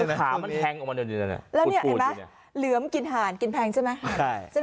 ถูกหาเหลือมแล้วเห็นไหมหลือมกินหารกินแพงใช่ไหม